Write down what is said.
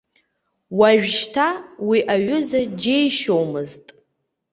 Уажәшьҭа уи аҩыза џьеишьомызт.